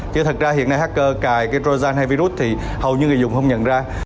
chứ thật ra hiện nay hacker cài cái rojan hay virus thì hầu như người dùng không nhận ra